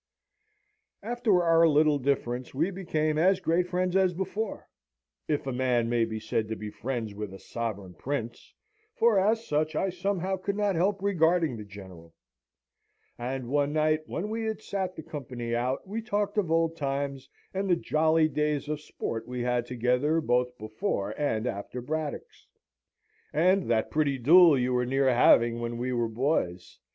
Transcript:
"After our little difference we became as great friends as before if a man may be said to be friends with a Sovereign Prince, for as such I somehow could not help regarding the General: and one night, when we had sate the company out, we talked of old times, and the jolly days of sport we had together both before and after Braddock's; and that pretty duel you were near having when we were boys.